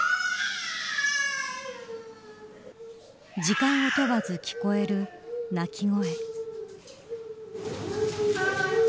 時間を問わず聞こえる泣き声。